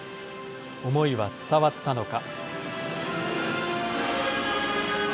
思いは伝わったのか。